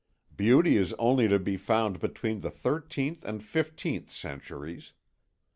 Beauty is only to be found between the thirteenth and fifteenth centuries.